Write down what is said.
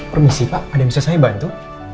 permisi pak ada yang bisa saya bantu